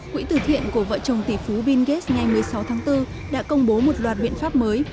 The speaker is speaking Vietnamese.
quỹ tử thiện của vợ chồng tỷ phú bill gates ngày một mươi sáu tháng bốn đã công bố một loạt biện pháp mới